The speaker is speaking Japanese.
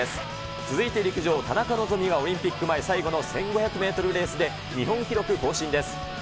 続いて陸上、田中希実がオリンピック前、最後の１５００メートルレースで日本記録更新です。